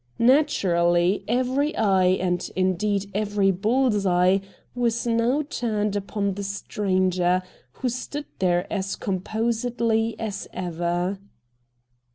Naturally, every eye, and indeed every bull's eye, was now turned upon the stranger, who stood there as composedly as ever.